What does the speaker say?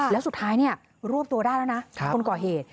แล้วสุดท้ายรวบตัวได้แล้วนะคนก่อเหตุ